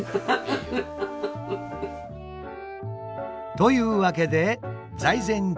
というわけで「財前じ